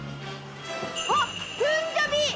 あっパンジャビ！